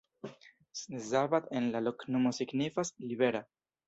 Szabad en la loknomo signifas: libera.